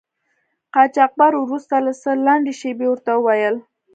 قاچاقبر وروسته له څه لنډې شیبې ورته و ویل.